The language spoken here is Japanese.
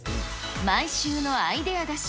毎週のアイデア出し。